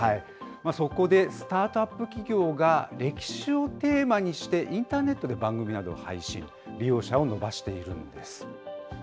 そこで、スタートアップ企業が歴史をテーマにして、インターネットで番組などを配信、利用者を伸ばしているんです。